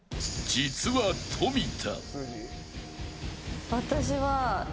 実は富田。